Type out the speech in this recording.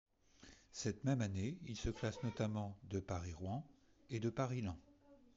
Cette même année, il se classe notamment de Paris-Rouen et de Paris-Laon.